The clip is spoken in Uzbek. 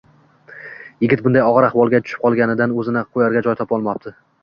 Yigit bunday og'ir ahvolga tushib qolganidan o'zini qo'yarga joy topa olmabdi